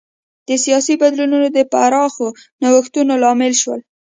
دا سیاسي بدلونونه د پراخو نوښتونو لامل شول.